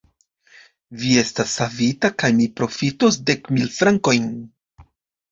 Vi estas savita kaj mi profitos dek mil frankojn.